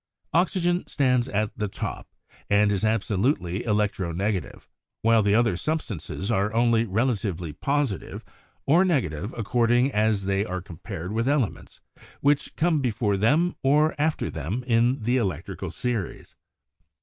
Oxygen stands at the top and is absolutely electro negative, while the other substances are only relatively positive or negative according as they are compared with elements which come before them or after them in the electrical series.